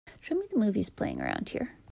show me the movies playing around here